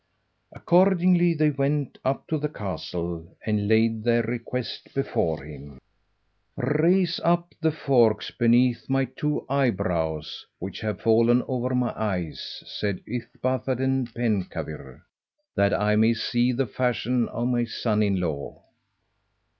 Accordingly they went up to the castle and laid their request before him. "Raise up the forks beneath my two eyebrows which have fallen over my eyes," said Yspathaden Penkawr, "that I may see the fashion of my son in law."